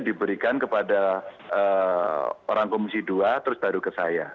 diberikan kepada orang komisi dua terus baru ke saya